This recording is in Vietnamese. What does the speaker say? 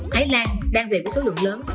thái lan đang về với số lượng lớn